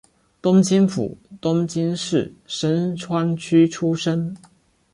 东京府东京市深川区出身。